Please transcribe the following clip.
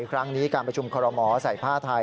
ครั้งนี้การประชุมคอรมอใส่ผ้าไทย